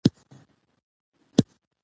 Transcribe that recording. خصوصيات √ ځانګړتياوې